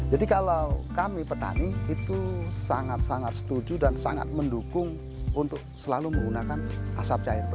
jadi kalau kami petani itu sangat sangat setuju dan sangat mendukung untuk selalu menggunakan asap cair